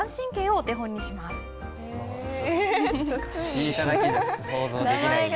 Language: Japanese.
聞いただけじゃちょっと想像できない。